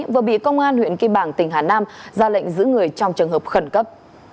và bị công an huyện kim bàng tỉnh hà nam ra lệnh giữ người trong trường hợp khẩn cấp